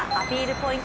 ポイント